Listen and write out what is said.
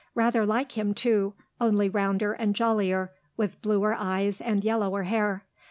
Rather like him, too, only rounder and jollier, with bluer eyes and yellower hair.